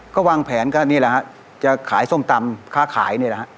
ก็วางแผนก็นี่แหละฮะจะขายส้มตำค้าขายนี่แหละฮะ